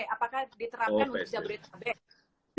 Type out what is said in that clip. apakah diterapkan untuk jabodetabek